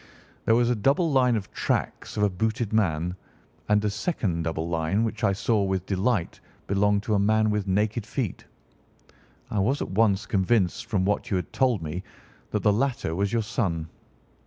"There was a double line of tracks of a booted man, and a second double line which I saw with delight belonged to a man with naked feet. I was at once convinced from what you had told me that the latter was your son.